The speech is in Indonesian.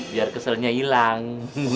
biar keselnya hilang